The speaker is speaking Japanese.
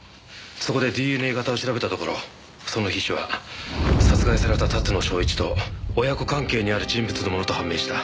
そこでＤＮＡ型を調べたところその皮脂は殺害された龍野祥一と親子関係にある人物のものと判明した。